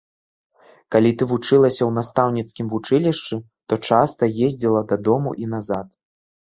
Калі ты вучылася ў настаўніцкім вучылішчы, то часта ездзіла дадому і назад.